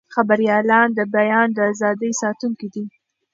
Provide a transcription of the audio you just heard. خبریالان د بیان د ازادۍ ساتونکي دي.